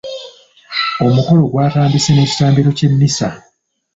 Omukolo gwatandise n'ekitambiro ky'emmisa.